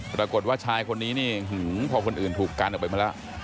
ปรากฏว่าชายคนนี้นี่พอคนอื่นถูกกันออกไปมาแล้ว